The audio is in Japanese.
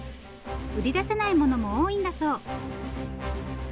売り出せないものも多いんだそう。